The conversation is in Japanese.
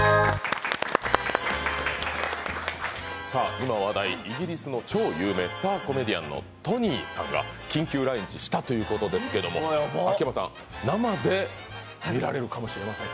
今話題、イギリスの超有名なスターコメディアントニーさんが緊急来日したということですけれども、秋山さん、生で見られるかもしれません。